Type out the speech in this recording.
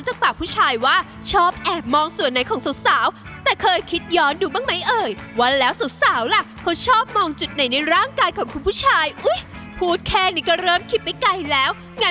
เรามาเข้าประเด็นกันเลยดีกว่า